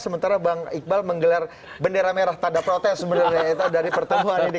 sementara bang iqbal menggelar bendera merah tanda protes sebenarnya dari pertemuan ini